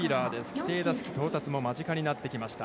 規定打席到達も間近になってきました。